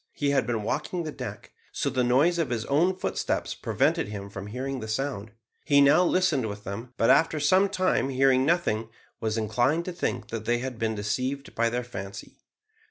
He had been walking the deck, so the noise of his own footsteps prevented him from hearing the sound. He now listened with them, but after some time, hearing nothing, was inclined to think that they had been deceived by their fancy.